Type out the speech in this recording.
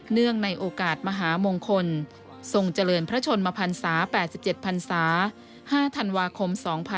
เนื่องในโอกาสมหามงคลทรงเจริญพระชนมพันศา๘๗พันศา๕ธันวาคม๒๕๖๒